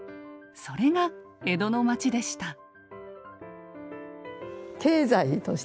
それが江戸の街でした。